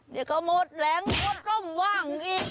นี่ก็หมดแหลงสมว่างอีก